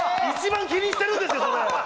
一番気にしてるんですよ。